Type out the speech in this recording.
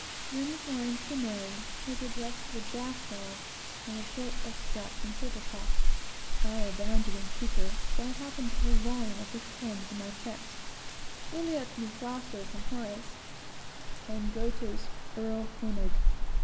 Then his lines to Mary, his address to the jackdaw, and a short extract from Table Talk; (I abounded in Cowper, for I happened to have a volume of his poems in my chest;) "Ille et nefasto" from Horace, and Goethe's Erl King.